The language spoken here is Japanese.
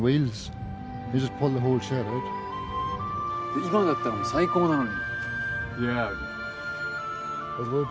今だったらもう最高なのに。